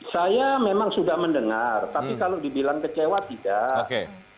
saya memang sudah mendengar tapi kalau dibilang kecewa tidak